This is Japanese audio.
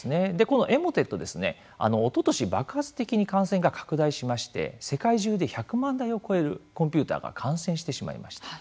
このエモテットおととし爆発的に感染が拡大しまして世界中で１００万台を超えるコンピューターが感染してしまいました。